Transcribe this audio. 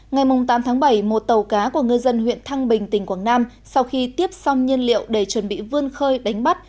ngày tám tháng bảy một tàu cá của ngư dân huyện thăng bình tỉnh quảng nam sau khi tiếp xong nhiên liệu để chuẩn bị vươn khơi đánh bắt